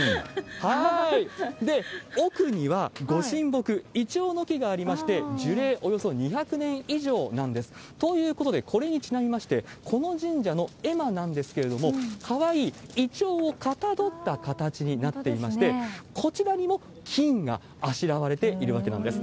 で、奥には御神木、イチョウの木がありまして、樹齢およそ２００年以上なんです。ということで、これにちなみまして、この神社の絵馬なんですけれども、かわいいイチョウをかたどった形になっていまして、こちらにも金があしらわれているわけなんです。